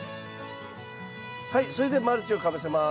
それでマルチをかぶせます。